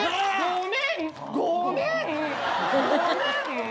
ごめん！